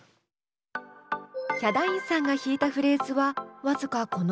ヒャダインさんが弾いたフレーズは僅かこの部分だけ。